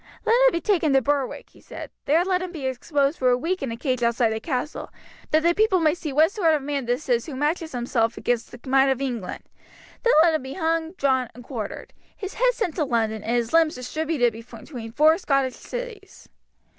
Let him be taken to Berwick," he said; "there let him be exposed for a week in a cage outside the castle, that the people may see what sort of a man this is who matches himself against the might of England. Then let him be hung, drawn, and quartered, his head sent to London, and his limbs distributed between four Scotch cities."